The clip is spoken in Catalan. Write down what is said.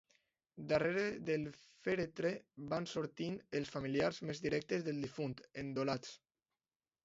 Darrere del fèretre van sortint els familiars més directes del difunt, endolats.